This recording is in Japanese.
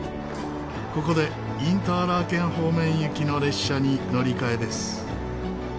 ここでインターラーケン方面行きの列車に乗り換えです。